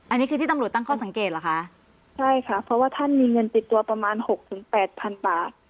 อันนี้คือที่ตำรวจตั้งข้อสังเกตเหรอคะใช่ค่ะเพราะว่าท่านมีเงินติดตัวประมาณหกถึงแปดพันบาท